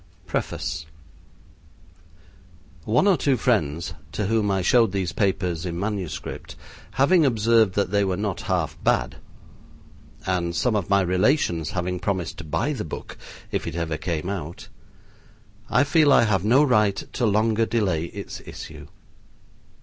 PREFACE One or two friends to whom I showed these papers in MS. having observed that they were not half bad, and some of my relations having promised to buy the book if it ever came out, I feel I have no right to longer delay its issue.